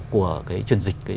của cái truyền dịch